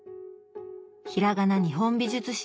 「ひらがな日本美術史」